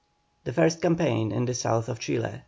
THE FIRST CAMPAIGN IN THE SOUTH OF CHILE.